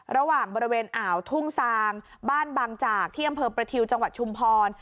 ระหว่างบริเวณอ่าวทุ่งซางบ้านบางจากที่อำเภอประทิวจังหวัดชุมพร